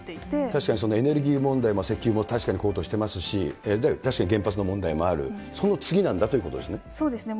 確かにそのエネルギー問題も、石油も確かに高騰していますし、確かに原発の問題もある、その次なんだということですね。